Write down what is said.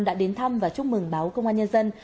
đã đến thăm và chúc mừng báo công an nhân dân